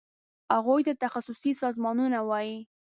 هغوی ته تخصصي سازمانونه وایي.